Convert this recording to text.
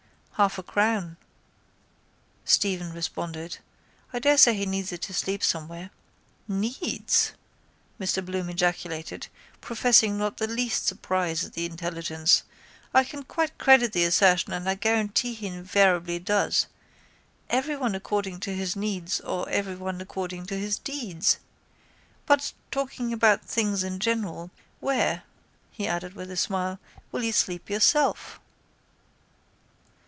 —Half a crown, Stephen responded. I daresay he needs it to sleep somewhere. —Needs! Mr Bloom ejaculated, professing not the least surprise at the intelligence, I can quite credit the assertion and I guarantee he invariably does. Everyone according to his needs or everyone according to his deeds. But, talking about things in general, where, added he with a smile, will you sleep yourself?